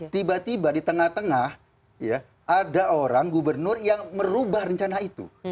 tiba tiba di tengah tengah ada orang gubernur yang merubah rencana itu